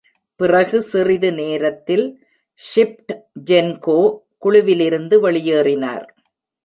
பிறகு சிறிது நேரத்தில், ஷிப்ட்ஜென்கோ குழுவிலிருந்து வெளியேறினார்.